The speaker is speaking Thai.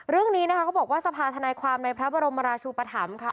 เรื่องนี้เขาบอกว่าสภาษณ์ธนายความในพระบรมราชูปฐำ